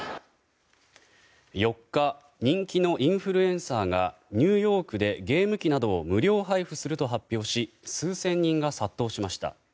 ４日人気のインフルエンサーがニューヨークでゲーム機などを無料配布すると発表し数千人が殺到しました。